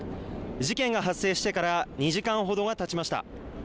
事件が発生してから２時間ほどがたちました。